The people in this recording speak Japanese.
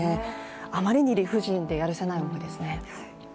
あまりに理不尽でやるせないわけですね。